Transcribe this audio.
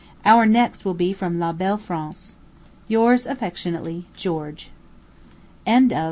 Our next will be from La Belle France. Yours affectionately, GEORGE. Letter 24.